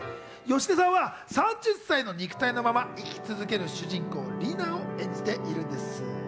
芳根さんは３０歳の肉体のまま生き続ける主人公・リナを演じています。